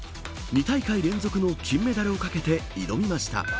２大会連続の金メダルをかけて挑みました。